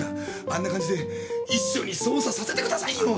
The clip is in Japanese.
あんな感じで一緒に捜査させてくださいよ！